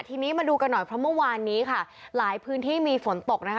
ทีนี้มาดูกันหน่อยเพราะเมื่อวานนี้ค่ะหลายพื้นที่มีฝนตกนะคะ